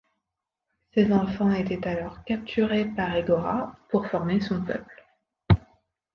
Ces enfants étaient alors capturés par Hégora pour former son peuple.